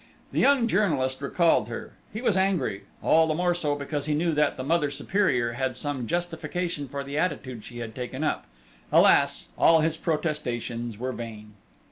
The young journalist recalled her. He was angry; all the more so, because he knew that the Mother Superior had some justification for the attitude she had taken up. Alas! All his protestations were vain!